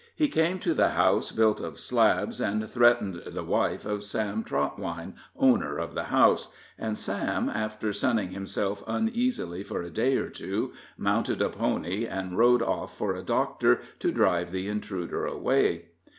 He came to the house built of slabs, and threatened the wife of Sam Trotwine, owner of the house; and Sam, after sunning himself uneasily for a day or two, mounted a pony, and rode off for a doctor to drive the intruder away.